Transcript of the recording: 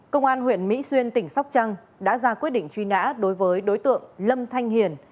công an huyện mỹ xuyên tỉnh sóc trăng đã ra quyết định truy nã đối với đối tượng lâm thanh hiền